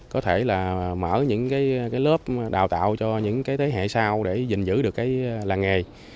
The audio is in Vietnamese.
có thể là mở những cái lớp đào tạo cho những cái thế hệ sau để giữ được cái làng nghề